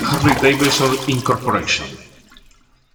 Harley-Davidson Inc.